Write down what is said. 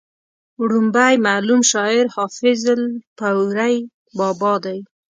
وړومبی معلوم شاعر حافظ الپورۍ بابا دی